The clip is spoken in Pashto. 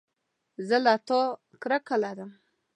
زه له تا کرکه لرم